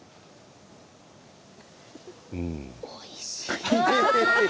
おいしい。